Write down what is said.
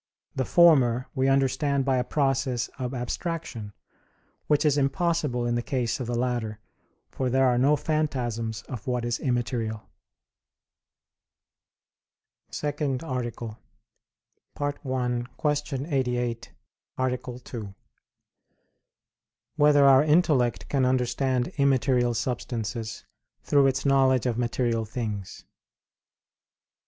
The former we understand by a process of abstraction, which is impossible in the case of the latter, for there are no phantasms of what is immaterial. _______________________ SECOND ARTICLE [I, Q. 88, Art. 2] Whether Our Intellect Can Understand Immaterial Substances Through Its Knowledge of Material Things?